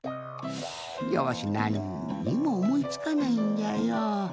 いやわしなんにもおもいつかないんじゃよ。